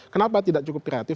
kenapa tidak cukup kreatif